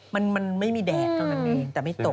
มันไม่มีแดดเท่านั้นเองแต่ไม่ตก